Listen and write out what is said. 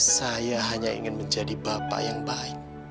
saya hanya ingin menjadi bapak yang baik